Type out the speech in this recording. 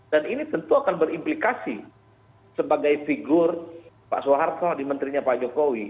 dan ini tentu akan berimplikasi sebagai figur pak soeharto di menterinya pak jokowi